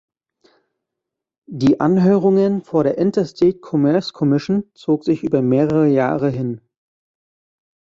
Die Anhörungen vor der Interstate Commerce Commission zog sich über mehrere Jahre hin.